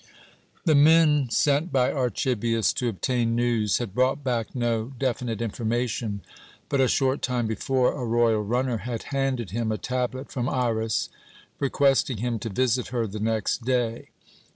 The men sent by Archibius to obtain news had brought back no definite information; but a short time before, a royal runner had handed him a tablet from Iras, requesting him to visit her the next day.